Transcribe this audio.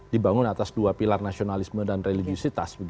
dibangun atas dua pilar nasionalisme dan religisitas